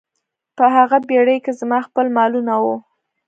په هغه بیړۍ کې زما خپل مالونه وو.